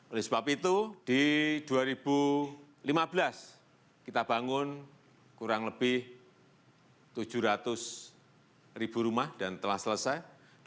oleh sebab itu di dua ribu lima belas kita bangun kurang lebih tujuh ratus ribu rumah dan telah selesai